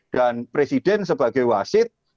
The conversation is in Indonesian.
dan presiden sebagai wasit